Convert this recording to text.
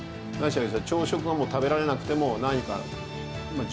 朝食がもう食べられなくても何か十分飲む。